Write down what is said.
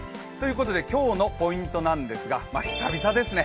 今日のポイントなんですが、久々ですね。